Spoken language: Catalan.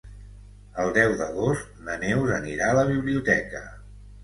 El deu d'agost na Neus anirà a la biblioteca.